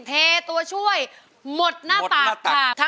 เทตัวช่วยหมดหน้าตากค่ะ